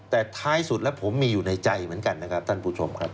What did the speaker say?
แต่ท้ายสุดแล้วผมมีอยู่ในใจเหมือนกันนะครับท่านผู้ชมครับ